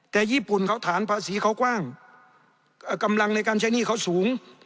แต่ญี่ปุ่นเขาฐานภาษีเขากว้างกำลังในการใช้หนี้เขาสูง